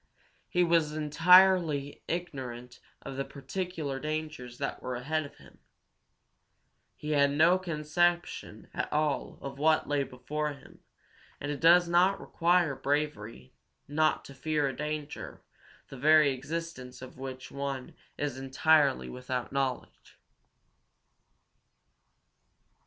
He was entirely ignorant of the particular dangers that were ahead of him. He had no conception at all of what lay before him, and it does not require bravery not to fear a danger the very existence of which one is entirely without knowledge.